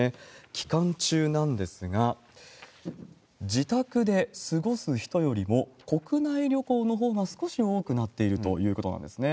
期間中なんですが、自宅で過ごす人よりも、国内旅行のほうが少し多くなっているということなんですね。